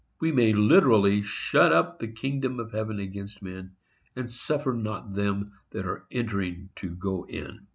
We may literally shut up the kingdom of heaven against men, and suffer not them that are entering to go in.